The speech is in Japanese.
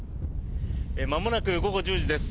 まもなく午後１０時です。